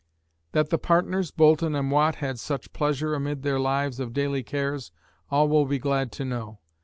That the partners, Boulton and Watt, had such pleasure amid their lives of daily cares, all will be glad to know.